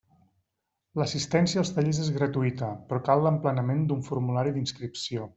L'assistència als tallers és gratuïta, però cal l'emplenament d'un formulari d'inscripció.